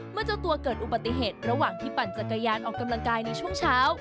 เจ้าตัวเกิดอุบัติเหตุระหว่างที่ปั่นจักรยานออกกำลังกายในช่วงเช้า